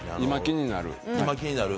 今気になる。